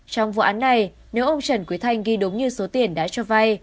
trong vụ án này nếu ông trần quý thanh ghi đúng như số tiền đã cho vay